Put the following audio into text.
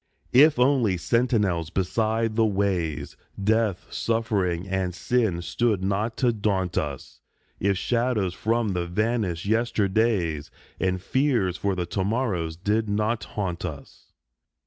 If only sentinels beside the ways, Death, suffering, and sin stood not to daunt us, If shadows from the vanished yesterdays And fears for the to morrows did not haunt us.